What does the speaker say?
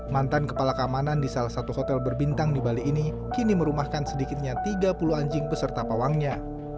mantan kepala keamanan di salah satu hotel berbintang di bali ini kini merumahkan sedikitnya tiga puluh anjing beserta pawangnya